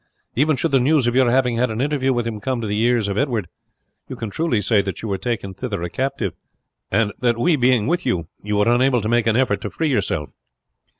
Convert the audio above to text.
Even should the news of your having had an interview with him come to the ears of Edward, you can truly say that you were taken thither a captive, and that we being with you, you were unable to make an effort to free yourself.